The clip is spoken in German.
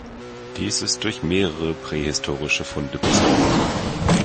Dies ist durch mehrere prähistorische Funde bezeugt.